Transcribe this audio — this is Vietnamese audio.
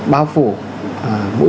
bao phủ mũi một